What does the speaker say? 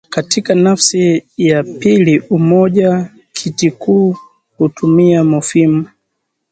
Katika nafsi ya pili umoja Kitikuu hutumia mofimu